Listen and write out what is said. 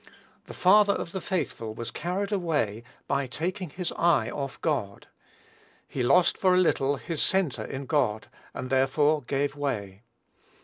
The father of the faithful was carried away, by taking his eye off God. He lost for a little his centre in God, and, therefore, gave way.